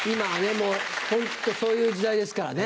もうホントそういう時代ですからね。